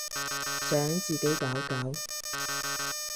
想自己搞搞